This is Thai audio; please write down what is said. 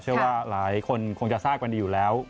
เชื่อว่าหลายคนคงจะทราบกันดีอยู่แล้ว